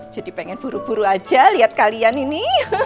jadi pengen buru buru aja lihat kalian ini